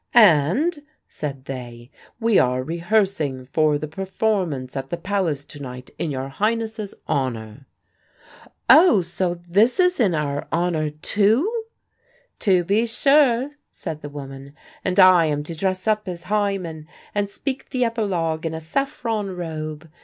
"And," said they, "we are rehearsing for the performance at the Palace to night in your Highnesses' honour." "Oh, so this is in our honour too?" "To be sure," said the woman; "and I am to dress up as Hymen and speak the Epilogue in a saffron robe.